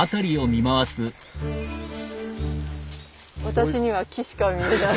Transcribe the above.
私には木しか見えない。